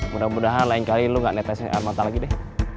mudah mudahan lain kali lo gak netesin armata lagi deh